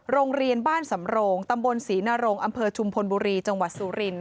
โรงเรียนบ้านสำโรงตำบลศรีนโรงอำเภอชุมพลบุรีจังหวัดสุรินท